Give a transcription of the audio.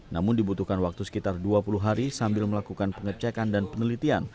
namun dibutuhkan waktu sekitar dua puluh hari sambil melakukan pengecekan dan penelitian